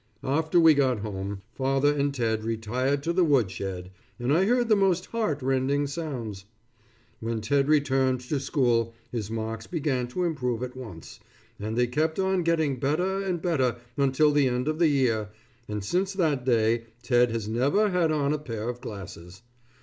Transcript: After we got home, father and Ted retired to the woodshed and I heard the most heartrending sounds. When Ted returned to school his marks began to improve at once, and they kept on getting better and better until the end of the year, and since that day Ted has never had on a pair of glasses.